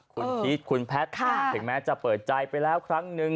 คุณพีชคุณแพทย์ถึงแม้จะเปิดใจไปแล้วครั้งนึง